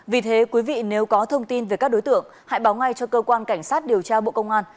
vì thế quý vị nếu có thông tin về các đối tượng hãy báo ngay cho cơ quan cảnh sát điều tra bộ công an